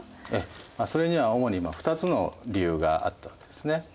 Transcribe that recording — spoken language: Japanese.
それには主に２つの理由があったわけですね。